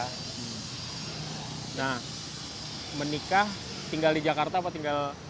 nah menikah tinggal di jakarta apa tinggal